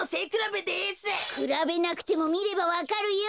くらべなくてもみればわかるよ！